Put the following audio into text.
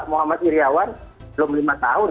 muhammad iryawan belum lima tahun